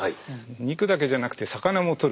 肉だけじゃなくて魚もとる。